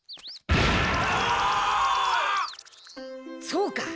そうか。